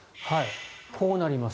こうなります。